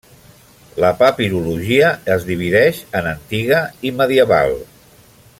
La papirologia es divideix en antiga i medieval.